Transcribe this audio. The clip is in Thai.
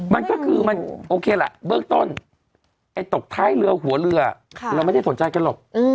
มันก็คือมันโอเคล่ะเบื้องต้นไอ้ตกท้ายเรือหัวเรือเราไม่ได้สนใจกันหรอก